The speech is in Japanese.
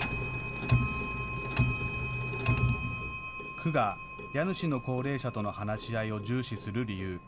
区が家主の高齢者との話し合いを重視する理由。